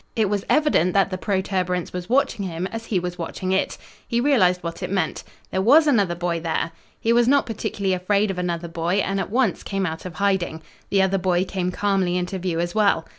It was evident that the protuberance was watching him as he was watching it. He realized what it meant. There was another boy there! He was not particularly afraid of another boy and at once came out of hiding. The other boy came calmly into view as well.